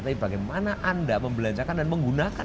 tapi bagaimana anda membelanjakan dan menggunakan